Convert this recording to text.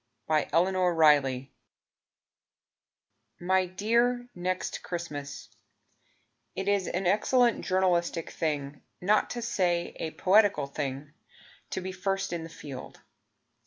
TO NEXT CHRISTMAS My dear Next Christmas, It is an excellent journalistic thing, Not to say a poetical thing, To be first in the field.